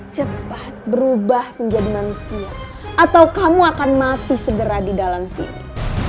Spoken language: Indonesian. cepat berubah menjadi manusia atau kamu akan mati segera di dalam sini